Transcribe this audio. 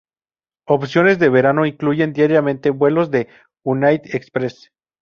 Opciones de verano incluyen diariamente vuelos de United Express.